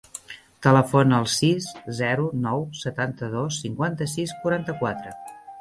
Telefona al sis, zero, nou, setanta-dos, cinquanta-sis, quaranta-quatre.